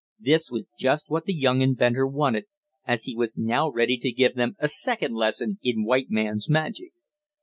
This was just what the young inventor wanted, as he was now ready to give them a second lesson in white man's magic.